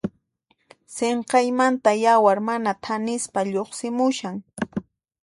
Sinqaymanta yawar mana thanispa lluqsimushan.